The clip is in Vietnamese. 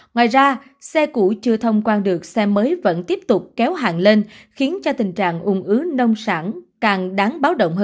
ngoài ra xe cũ chưa thông quan được xe mới vẫn tiếp tục kéo hàng lên khiến cho tình trạng ủng ứ nông sản càng đáng